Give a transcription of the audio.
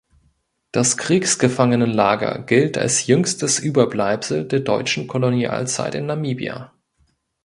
Das Kriegsgefangenenlager gilt als jüngstes Überbleibsel der deutschen Kolonialzeit in Namibia.